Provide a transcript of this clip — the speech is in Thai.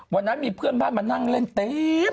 วันนั้นมีเพื่อนบ้านมานั่งเล่นเต็ม